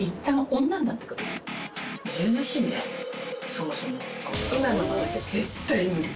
そもそも。